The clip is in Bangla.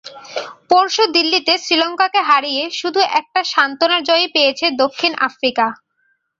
পরশু দিল্লিতে শ্রীলঙ্কাকে হারিয়ে শুধু একটা সান্ত্বনার জয়ই পেয়েছে দক্ষিণ আফ্রিকা।